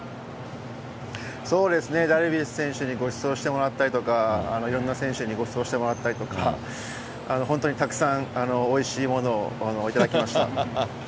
そうですね、ダルビッシュ選手にごちそうしてもらったりとか、いろんな選手にごちそうしてもらったりとか、本当にたくさん、おいしいものを頂きました。